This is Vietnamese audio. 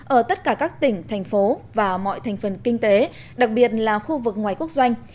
ở tất cả các tỉnh thành phố và mọi thành phần kinh tế đặc biệt là khu vực ngoài quốc doanh